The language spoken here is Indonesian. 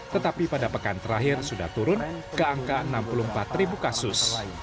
tetapi pada pekan terakhir sudah turun ke angka enam puluh empat kasus